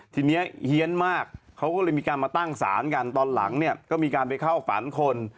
ทีนี้เฮียนมากเขาก็เลยมีการมาตั้งศาลกันตอนหลังเนี่ยก็มีการไปเข้าฝันคน